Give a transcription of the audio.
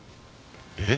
え？